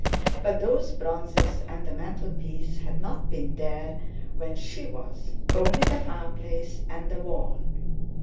But those bronzes and the mantelpiece had not been there when she was, only the fireplace and the wall!